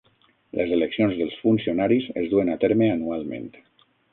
Les eleccions dels funcionaris es duen a terme anualment.